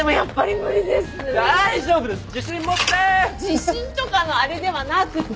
自信とかのあれではなくて。